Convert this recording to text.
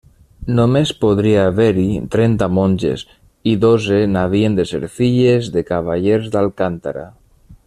Només podria haver-hi trenta monges i dotze n'havien de ser filles de cavallers d'Alcántara.